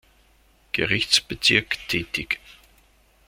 Gerichtsbezirk tätig.